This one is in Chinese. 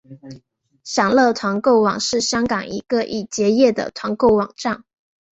享乐团购网是香港一个已结业的团购网站。